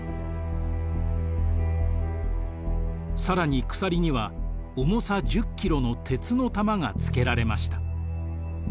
更に鎖には重さ１０キロの鉄の玉がつけられました。